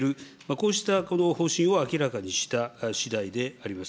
こうした方針を明らかにしたしだいであります。